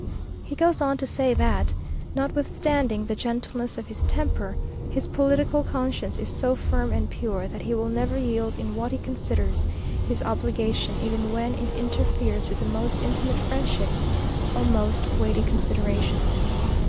He goes on to say that, "notwithstanding the gentleness of his temper, his political conscience is so firm and pure, that he will never yield in what he considers his obligation, even when it interferes with the most intimate friendships, or most weighty considerations."